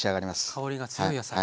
香りが強い野菜。